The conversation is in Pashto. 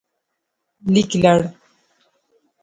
لیکلړ